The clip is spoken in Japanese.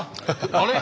あれ？